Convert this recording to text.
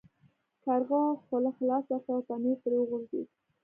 کارغه خوله خلاصه کړه او پنیر ترې وغورځید.